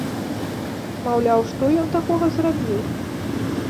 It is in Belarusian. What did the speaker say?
Маўляў, што ён такога зрабіў?